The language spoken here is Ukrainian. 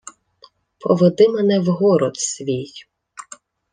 — Поведи мене в город свій.